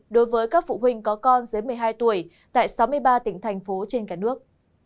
đối với các phụ huynh có con dưới một mươi hai tuổi tại sáu mươi ba tỉnh thành phố trên cả nước